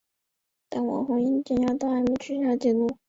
但往后因禁药案遭到取消记录。